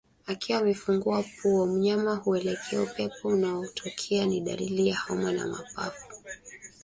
Akiwa amefungua pua mnyama huelekea upepo unakotokea ni dalili ya homa ya mapafu